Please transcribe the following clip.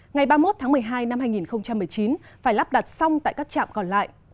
ngày ba mươi một tháng một mươi hai năm hai nghìn một mươi chín phải lắp đặt xong tại các trạm còn lại